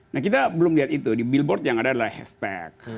nah kita belum lihat itu di billboard yang ada adalah hashtag